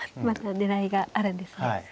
また狙いがあるんですね。